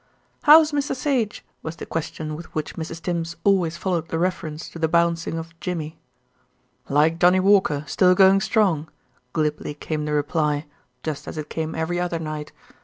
"How's Mr. Sage?" was the question with which Mrs. Tims always followed the reference to the bouncing of Jimmy. "Like Johnny Walker, still going strong," glibly came the reply, just as it came every other night.